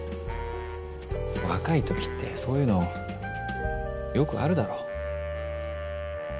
若い時ってそういうのよくあるだろ。